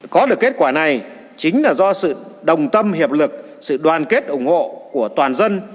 có được kết quả này chính là do sự đồng tâm hiệp lực sự đoàn kết ủng hộ của toàn dân